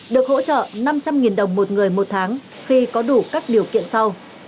được hỗ trợ năm trăm linh đồng một người một tháng khi có đủ các điều kiện sau